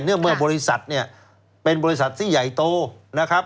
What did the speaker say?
เมื่อบริษัทเนี่ยเป็นบริษัทที่ใหญ่โตนะครับ